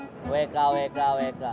siap siap buat beli baju lebaran